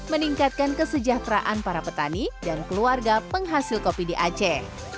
meningkatkan kesejahteraan para petani dan keluarga penghasil kopi di aceh